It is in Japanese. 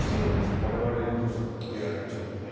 我々としてはこれをやられちゃうと。